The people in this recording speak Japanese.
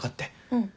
うん。